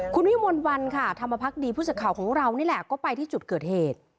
คุณวิมลวันค่ะธรรมพักดีผู้สื่อข่าวของเรานี่แหละก็ไปที่จุดเกิดเหตุ